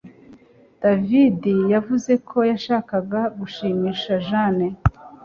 David yavuze ko yashakaga gushimisha Jane